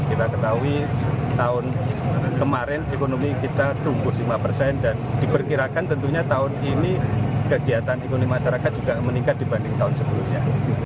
kita ketahui tahun kemarin ekonomi kita tumbuh lima persen dan diperkirakan tentunya tahun ini kegiatan ekonomi masyarakat juga meningkat dibanding tahun sebelumnya